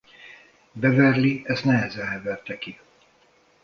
Beverly ezt nehezen heverte ki.